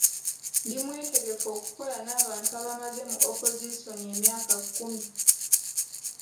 Ndi mwetegefu okukola n'abantu abamaze mu opozisoni emyaka kkumi.